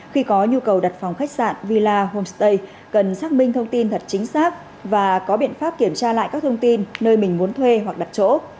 khi có nhu cầu đặt phòng khách sạn villa homestay cần xác minh thông tin thật chính xác và có biện pháp kiểm tra lại các thông tin nơi mình muốn thuê hoặc đặt chỗ